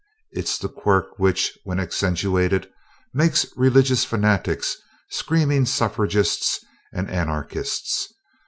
It's the quirk which, when accentuated, makes religious fanatics, screaming suffragists and anarchists.